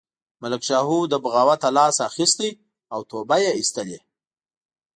ملک شاهو له بغاوته لاس اخیستی او توبه یې ایستلې.